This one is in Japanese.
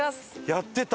やってた！